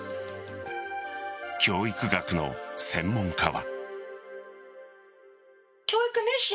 教育学の専門家は。